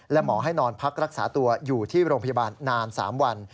และหมอให้นอนพักรักษาตัวอยู่ที่โรงพยาบาลนาน๓วัน